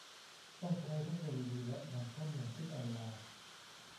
ต้องใช้เทคโนโลยีและนำข้อมูลขึ้นออนไลน์